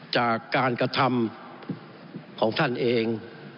จากการกระทำของท่านเอง